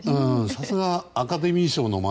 さすがアカデミー賞の街